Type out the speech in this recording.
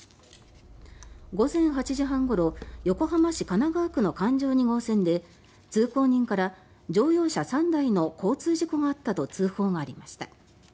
午前８時半ごろ横浜市神奈川区の環状２号線で通行人から乗用車３台の交通事故があったと通報がありました。